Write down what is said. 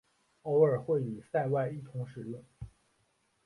偶尔会与塞外一同使用。